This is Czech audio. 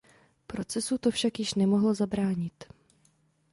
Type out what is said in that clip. Procesu to však již nemohlo zabránit.